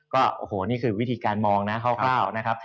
ก็โอ้โหนี่คือวิธีการมองนะคร่าวนะครับ